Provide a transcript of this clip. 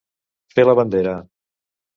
Fer la bandera.